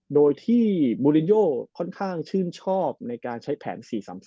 โดยที่มูลินโยชื่นชอบในการใช้แผน๔๓